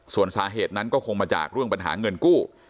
ส่วนสาเหตุนั้นก็คงมาจากเรื่องปัญหาเงินกู้